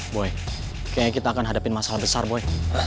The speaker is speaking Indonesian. boy kayaknya kita akan hadapin masalah besar boy